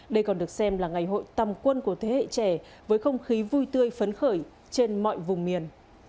đây còn được xem là ngày hội tòng quân của thế hệ trẻ với không khí vui tươi phấn khởi trên mọi vùng miền